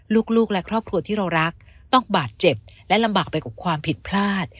ลูกและครอบครัวที่เรารักต้องบาดเจ็บและลำบากไปกว่าความผิดพลาด